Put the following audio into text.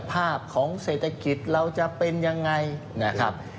ภาพของเศรษฐกิจเราจะเป็นยังไงนะครับ